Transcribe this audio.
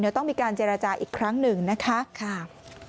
เดี๋ยวต้องมีการเจรจาอีกครั้งหนึ่งนะคะ